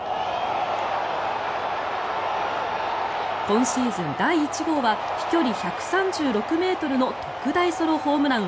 今シーズン第１号は飛距離１３６ｍの特大ソロホームラン。